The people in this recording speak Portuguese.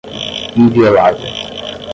inviolável